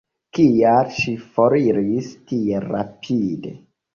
Kial ŝi foriris tiel rapide?